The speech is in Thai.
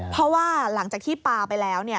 เพราะว่าหลังจากที่ปลาไปแล้ว